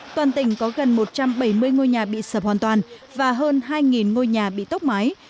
toàn tỉnh có gần một trăm bảy mươi ngôi nhà bị sập hoàn toàn và hơn hai ngôi nhà bị tốc mái